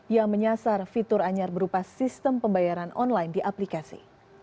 yang menyasar fitur anyar berupa sistem pembayaran online di aplikasi